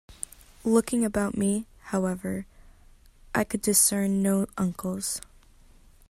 Looking about me, however, I could discern no uncles.